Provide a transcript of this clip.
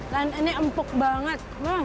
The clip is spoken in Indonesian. dan ini empuk banget